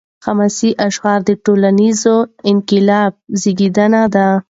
حماسي اشعار د ټولنیز انقلاب زیږنده دي.